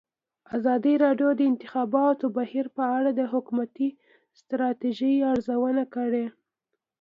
ازادي راډیو د د انتخاباتو بهیر په اړه د حکومتي ستراتیژۍ ارزونه کړې.